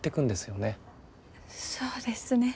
そうですね。